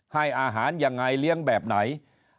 ให้อาหารยังไงเลี้ยงแบบไหน